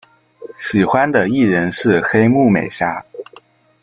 喜欢的艺人是黑木美纱。